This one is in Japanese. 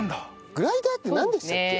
グライダーってなんでしたっけ？